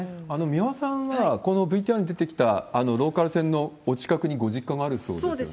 三輪さんは、このＶＴＲに出てきたローカル線のお近くにご実家があるそうです